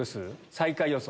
最下位予想。